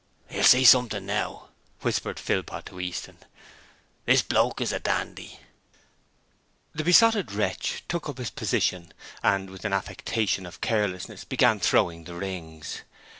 'You'll see something now,' whispered Philpot to Easton. 'This bloke is a dandy!' The Besotted Wretch took up his position and with an affectation of carelessness began throwing the rings.